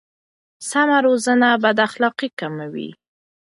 سمه روزنه بد اخلاقي کموي.